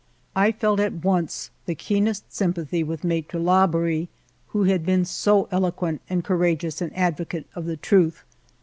I felt at once the keen est sympathy with Maitre Labori, who had been so eloquent and courageous an advocate of the truth.